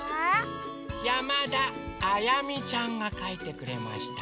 やまだあやみちゃんがかいてくれました。